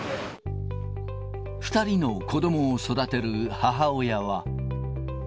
２人の子どもを育てる母親は。